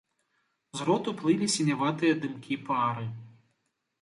З роту плылі сіняватыя дымкі пары.